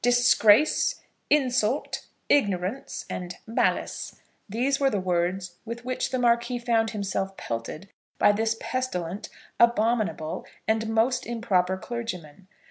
"Disgrace," "insult," "ignorance," and "malice," these were the words with which the Marquis found himself pelted by this pestilent, abominable, and most improper clergyman.